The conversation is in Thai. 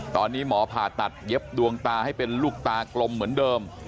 ตอนนี้หมอผ่าตัดเย็บดวงตาให้เป็นลูกตากลมเหมือนเดิม